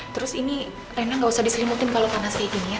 terus ini rena ga usah diselimutin kalo panasnya ini ya